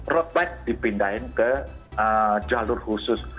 road bike dipindahin ke jalur khusus